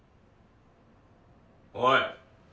おい。